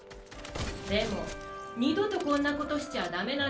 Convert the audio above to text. でもにどとこんなことしちゃダメなんだからね。